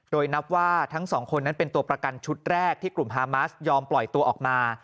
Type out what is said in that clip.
โดยนับว่าทั้งสองคนนั้นเป็นตัวประกันชุดแรกที่กลุ่มฮามาสยอมปล่อยตัวออกมา